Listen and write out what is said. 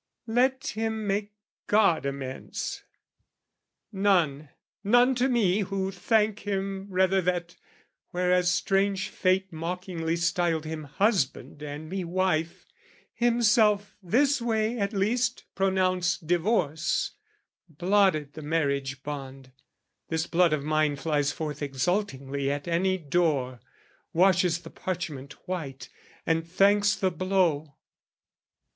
Let him make God amends, none, none to me Who thank him rather that, whereas strange fate Mockingly styled him husband and me wife, Himself this way at least pronounced divorce, Blotted the marriage bond: this blood of mine Flies forth exultingly at any door, Washes the parchment white, and thanks the blow.